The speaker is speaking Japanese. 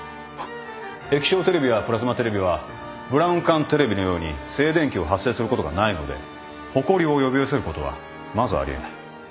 液晶テレビやプラズマテレビはブラウン管テレビのように静電気を発生することがないのでほこりを呼び寄せることはまずあり得ない。